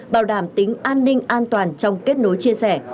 bảo đảm tính an ninh an toàn trong kết nối chia sẻ